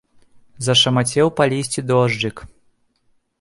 Зашамацеў па лісці дожджык.